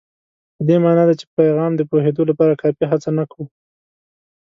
په دې مانا ده چې په پیغام د پوهېدو لپاره کافي هڅه نه کوو.